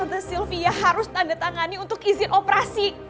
the sylvia harus tanda tangani untuk izin operasi